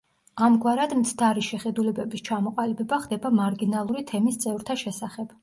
ამგვარად მცდარი შეხედულებების ჩამოყალიბება ხდება მარგინალური თემის წევრთა შესახებ.